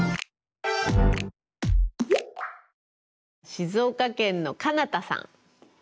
静岡県のかなたさん。